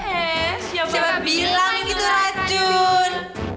eh siapa bilang itu racun